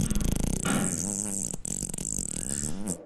Takeshi Saito